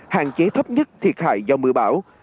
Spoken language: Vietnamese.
hạn chế thấp nhất thiệt hại do mưa bão